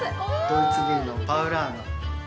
ドイツビールのパウラーナ。